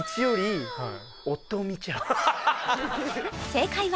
正解は